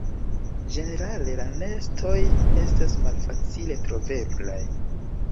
Ĝenerale la nestoj estas malfacile troveblaj.